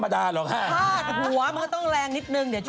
ปลูยตายอักเสบเฉยโอ้โฮสองคน